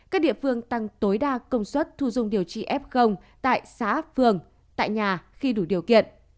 các địa phương tăng tối đa công suất thu dung điều trị f tại xã phường tại nhà khi đủ điều kiện